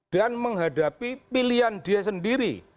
dan menghadapi pilihan dia sendiri